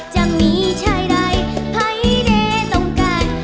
จะมีชายใดภัยเด้ต้องการ